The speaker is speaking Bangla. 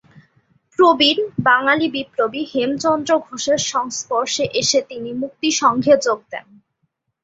প্রবীণ বাঙালি বিপ্লবী হেমচন্দ্র ঘোষের সংস্পর্শে এসে তিনি মুক্তি সংঘে যোগ দেন।